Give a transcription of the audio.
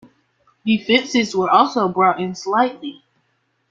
The fences were also brought in slightly.